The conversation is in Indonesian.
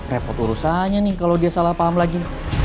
repot urusannya nih kalau dia salah paham lagi